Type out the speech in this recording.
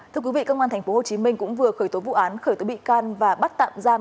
thưa quý vị công an tp hồ chí minh cũng vừa khởi tố vụ án khởi tố bị can và bắt tạm giam